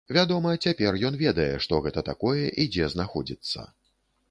Вядома, цяпер ён ведае, што гэта такое і дзе знаходзіцца.